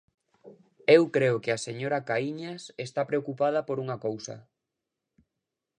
Eu creo que a señora Caíñas está preocupada por unha cousa.